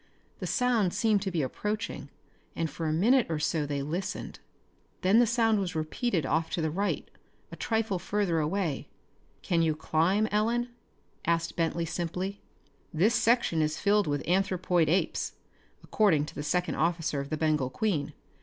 The sound seemed to be approaching and for a minute or so they listened. Then the sound was repeated off to the right, a trifle further away. "Can you climb, Ellen?" asked Bentley simply. "This section is filled with anthropoid apes, according to the second officer of the Bengal Queen.